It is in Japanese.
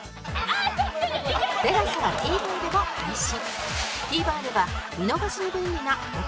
ＴＥＬＡＳＡＴＶｅｒ でも配信